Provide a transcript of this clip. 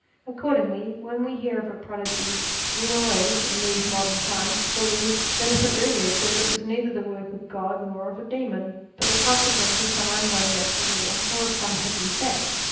Accordingly when we hear of a prodigy we always, in these modern times, believe that if it really occurred it was neither the work of God nor of a demon, but the consequence of some unknown natural law or of some hidden fact.